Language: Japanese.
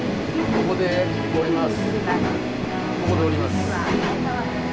ここで降ります。